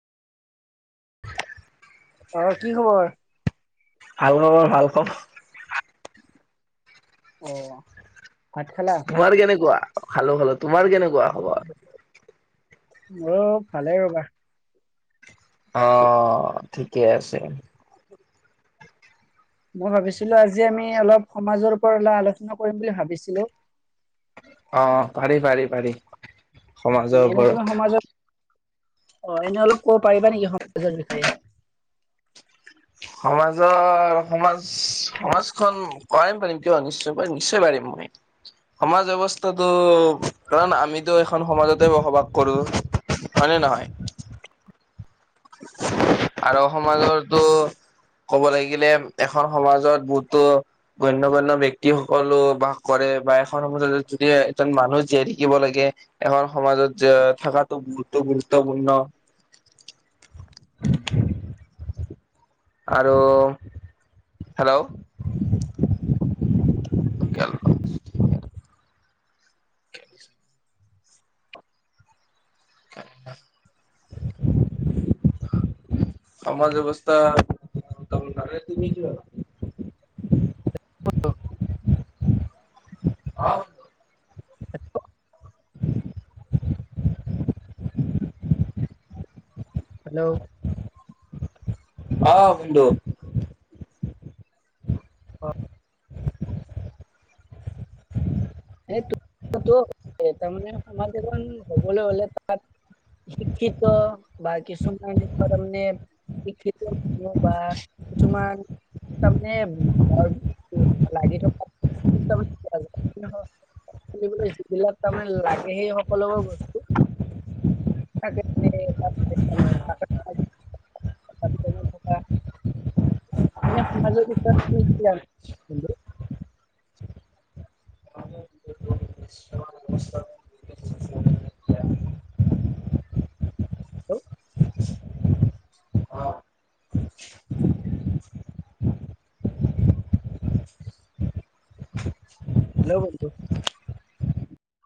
ঘৰত কি খবৰ? ভাল খবৰ, ভাল খবৰ। অ ভাত খালা? তোমাৰ কেনেকুৱা? খালো খালো। তোমাৰ কেনেকুৱা খবৰ? মোৰো ভালেই ৰ'বা। অহ ঠিকে আছে। মই ভাবিছিলো আজি আমি অলপ সমাজৰ ওপৰত অলপ আলোচনা কৰিম বুলি ভাবিছিলো। অহ পাৰি পাৰি পাৰি। সমাজৰ এনে তুমি ওপৰত সমাজত অ এনে অলপ ক'ব পাৰিবা নেকি সমাজৰ বিষয়ে? সমাজৰ সমাজ সমাজখন পাৰিম পাৰিম কিয় নিশ্চয় পাৰিম নিশ্চয় পাৰিম মই। সমাজ ব্যৱস্থাটো কাৰণ আমিতো এখন সমাজতে বসবাস কৰো। হয় নে নহয়? আৰু সমাজৰটো ক'ব লাগিলে এখন সমাজত বহুতো গণ্য গণ্য ব্যক্তিসকলো বাস কৰে বা এখন সমাজত যদি এজন মানুহ জীয়াই থাকিব লাগে এখন সমাজত যে থকাটো বহুত বহুতো গুৰুত্বপূৰ্ণ। উম আৰু হেল্ল'! [inaudible] [inaudible] সমাজ ব্যৱস্থা গুৰুত্বপূৰ্ণ তুমি কি ভাবা? [unintelligible] ভাবা? হেল্ল'! হেল্ল'! অঁ ভিন্দেও। [unintelligible] এ তাৰমানে সমাজ এখন হবলৈ হ'লে তাত শিক্ষিত বা কিছুমান এনেকুৱা তাৰমানে শিক্ষিতসমূহ বা কিছুমান তাৰমানেৰ লাগি থকা [unintelligible] শুনিবলৈ যিবিলাক তাৰমানে লাগে সেই সকলোবোৰ বস্তু [unintelligible] বাকী [unintelligible] এনে সমাজৰ বিষয়ে তুমি কি জানা? নমস্কাৰ। [inaudible] হেল্ল! অ হেল্ল'!